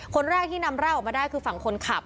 คนแรกที่นำร่างออกมาได้คือฝั่งคนขับ